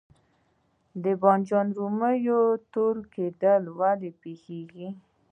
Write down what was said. د بانجان رومي تور کیدل ولې پیښیږي؟